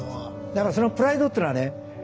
だからそのプライドっていうのはね